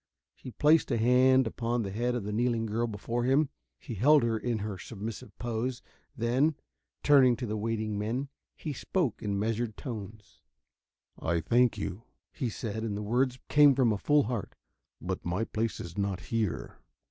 He placed a hand upon the head of the kneeling girl before him. He held her in her submissive pose, then, turning to the waiting men, he spoke in measured tones. "I thank you," he said, and the words came from a full heart, "but my place is not here.